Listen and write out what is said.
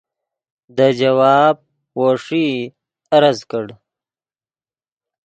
دے جواب وو ݰئی عرض کڑ